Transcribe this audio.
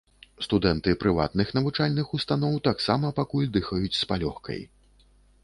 Студэнты прыватных навучальных устаноў таксама пакуль дыхаюць з палёгкай.